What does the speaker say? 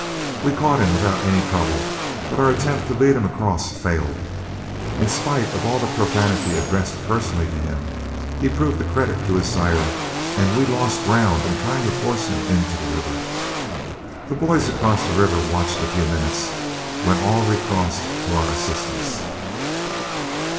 We caught him without any trouble, but our attempt to lead him across failed. In spite of all the profanity addressed personally to him, he proved a credit to his sire, and we lost ground in trying to force him into the river. The boys across the river watched a few minutes, when all recrossed to our assistance.